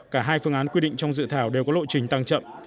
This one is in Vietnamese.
cả hai phương án quy định trong dự thảo đều có lộ trình tăng chậm